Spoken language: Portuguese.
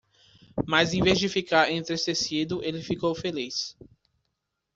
Mas em vez de ficar entristecido, ele ficou feliz.